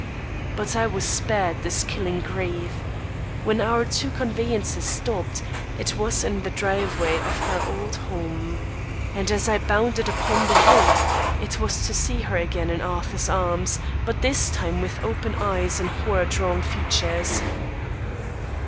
But I was spared this killing grief. When our two conveyances stopped, it was in the driveway of her old home; and as I bounded upon the walk, it was to see her again in Arthur's arms, but this time with open eyes and horror drawn features.